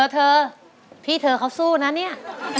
เธอพี่เธอเขาสู้นะเนี่ย